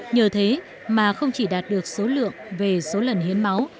nhờ thế mà không chỉ đạt được số lượng về số lần hiến máu